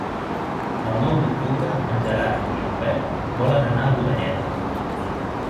El nou d'octubre en Gerard i en Pep volen anar a Godelleta.